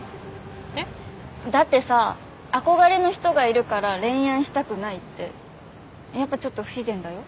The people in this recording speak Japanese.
えっ？だってさ憧れの人がいるから恋愛したくないってやっぱちょっと不自然だよ。